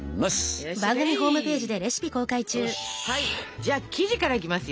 じゃあ生地からいきますよ。